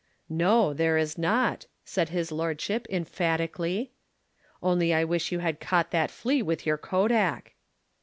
"No, there is not," said his lordship emphatically. "Only I wish you had caught that flea with your Kodak."